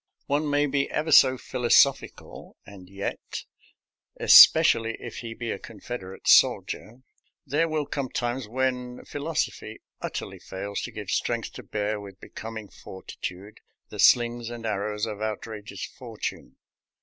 One may be ever so philosophical, and yet — especially if he be a Confederate soldier — there will come times when philosophy utterly fails to give strength to bear with becoming fortitude " the slings and arrows of outrageous fortune."